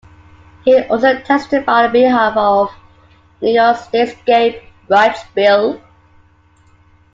He also testified on behalf of New York State's Gay Rights Bill.